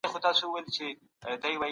مسلمان بايد د ذمي ژوند ته درناوی وکړي.